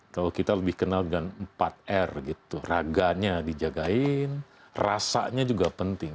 kalau kita lebih kenal dengan empat r gitu raganya dijagain rasanya juga penting